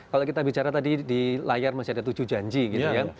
kalau kita bicara tadi di layar masih ada tujuh janji gitu ya